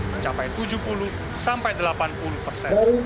mencapai tujuh puluh sampai delapan puluh persen